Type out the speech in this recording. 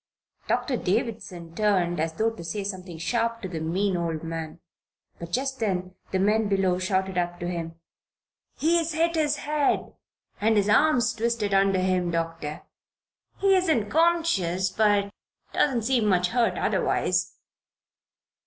Doctor Davison turned as though to say something sharp to the mean old man; but just then the men below shouted up to him: "He's hit his head and his arm's twisted under him, Doctor. He isn't conscious, but doesn't seem much hurt otherwise."